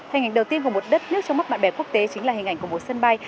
hình ảnh đầu tiên của một đất nước trong mắt bạn bè quốc tế chính là hình ảnh của một sân bay